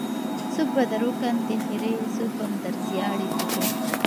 څوک به در وکاندې خیرې څوک بم در زیاړې توه کړي.